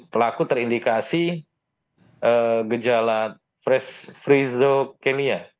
pelaku terindikasi gejala freezokimia